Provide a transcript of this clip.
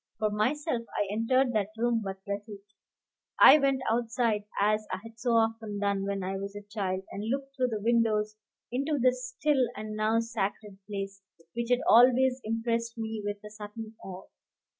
For myself, I entered that room but little. I went outside, as I had so often done when I was a child, and looked through the windows into the still and now sacred place, which had always impressed me with a certain awe.